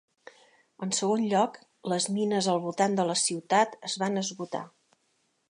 En segon lloc, les mines al voltant de la ciutat es van esgotar.